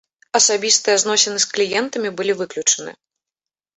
Асабістыя зносіны з кліентамі былі выключаны.